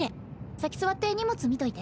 先座って荷物見といて。